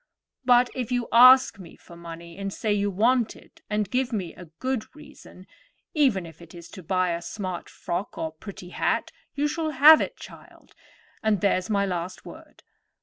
But if you ask me for money, and say you want it, and give me a good reason—even if it is to buy a smart frock or pretty hat—you shall have it, child; and there's my last word.